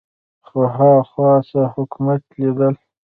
خو ها خوا ته حکومت لیدل